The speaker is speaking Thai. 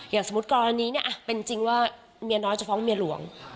อย่างสมมุติกรณีเนี่ยเป็นจริงว่าเมียน้อยจะฟ้องเมียหลวง